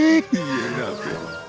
iya enggak ben